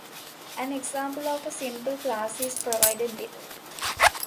An example of a simple class is provided below.